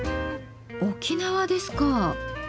沖縄ですか。